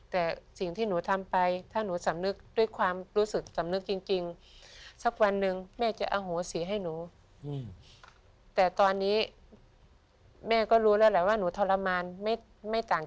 แต่สิ่งที่หนูทำไปถ้าหนูสำนึกด้วยความรู้สึกสำนึกจริง